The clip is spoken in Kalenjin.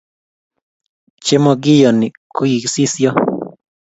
chemakiyoni ko kikisisyo